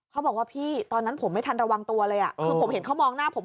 เขาบอกว่าพี่ตอนนั้นผมไม่ทันระวังตัวเลยคือผมเห็นเขามองหน้าผม